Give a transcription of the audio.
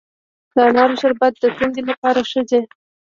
د انارو شربت د تندې لپاره ښه دی.